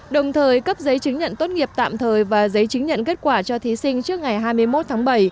đồng thời cấp giấy chứng nhận tốt nghiệp tạm thời và giấy chứng nhận kết quả cho thí sinh trước ngày hai mươi một tháng bảy